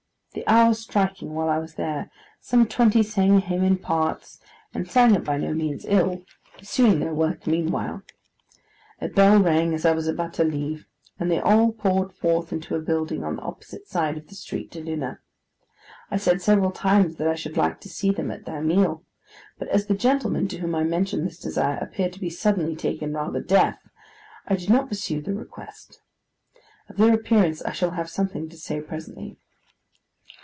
The hour striking while I was there, some twenty sang a hymn in parts, and sang it by no means ill; pursuing their work meanwhile. A bell rang as I was about to leave, and they all poured forth into a building on the opposite side of the street to dinner. I said several times that I should like to see them at their meal; but as the gentleman to whom I mentioned this desire appeared to be suddenly taken rather deaf, I did not pursue the request. Of their appearance I shall have something to say, presently.